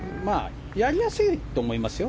やりやすいと思いますよ。